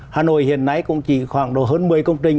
hà nội hiện nay cũng chỉ khoảng độ hơn một mươi công trình